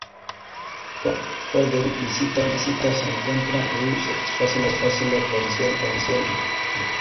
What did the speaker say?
Por derivación implícita, se encuentra que "W" satisface la ecuación diferencial ordinaria.